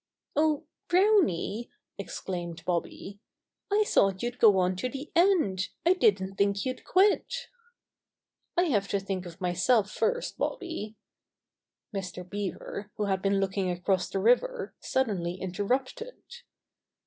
"Oh, Browny!" exclaimed Bobby. "I thought you'd go on to the end. I didn't think you'd quit." "I have to think of myself first, Bobby." Mr. Beaver, who had been looking across the river, suddenly interrupted.